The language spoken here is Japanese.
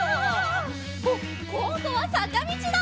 あっこんどはさかみちだ！